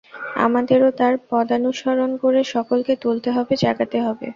আমাদেরও তাঁর পদানুসরণ করে সকলকে তুলতে হবে, জাগাতে হবে।